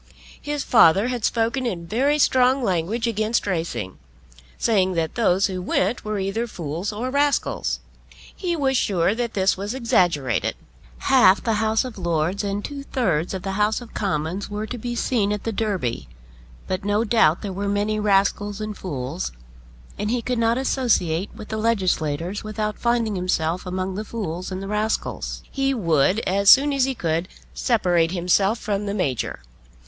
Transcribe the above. His father had spoken in very strong language against racing, saying that those who went were either fools or rascals. He was sure that this was exaggerated. Half the House of Lords and two thirds of the House of Commons were to be seen at the Derby; but no doubt there were many rascals and fools, and he could not associate with the legislators without finding himself among the fools and rascals. He would, as soon as he could, separate himself from the Major.